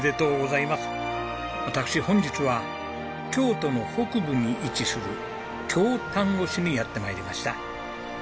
私本日は京都の北部に位置する京丹後市にやって参りました。